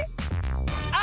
あ！